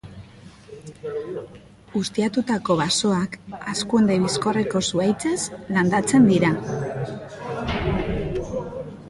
Ustiatutako basoak hazkunde bizkorreko zuhaitzez landatzen dira.